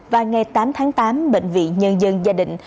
và ngày tám tháng tám bệnh viện nhân dân gia đình